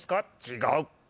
「違う」